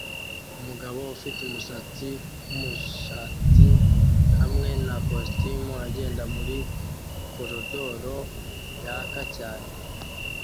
Umugabo ufite umusatsi wumushatsi hamwe na kositimu agenda muri koridoro yaka cyane